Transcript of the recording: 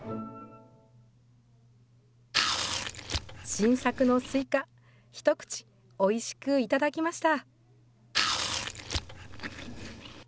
新作のスイカ、一口、おいしくいただきました。